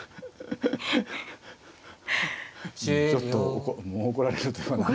ちょっと怒られるというか。